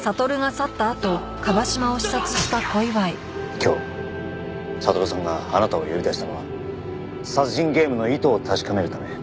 今日悟さんがあなたを呼び出したのは殺人ゲームの意図を確かめるため。